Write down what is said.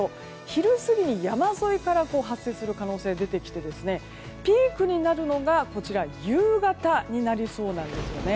昼過ぎに山沿いから発生する可能性が出てきてピークになるのが夕方になりそうなんですよね。